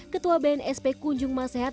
ketua bnsp kunjung mas sehat